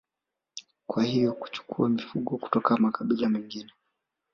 Kwa hiyo kuchukua mifugo kutoka makabila mengine